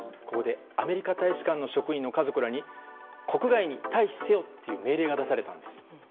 ここでアメリカ大使館の職員の家族らに国外に退避せよという命令が出されたんです。